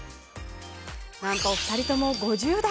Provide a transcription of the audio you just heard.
なんと、お二人とも５０代。